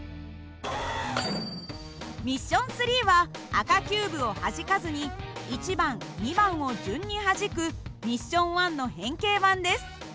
ミッション３は赤キューブをはじかずに１番２番を順にはじくミッション１の変形版です。